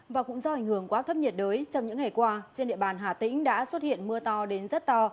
và cũng do ảnh hưởng của áp thấp nhiệt đới trong những ngày qua trên địa bàn hà tĩnh đã xuất hiện mưa to đến rất to